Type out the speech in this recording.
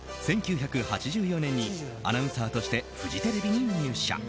１９８４年にアナウンサーとしてフジテレビに入社。